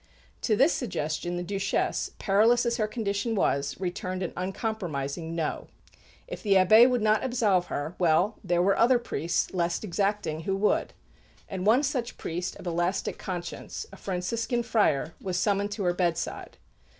To this suggestion the Duchesse, perilous as her condition was, returned an uncompromising "No!" If the Abbé would not absolve her well, there were other priests, less exacting, who would; and one such priest of elastic conscience, a Franciscan friar, was summoned to her bedside.